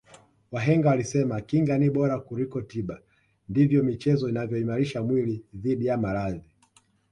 wahenga walisema kinga ni bora kuliko tiba ndivyo michezo inavyoimalisha mwili dhidi ya maradhi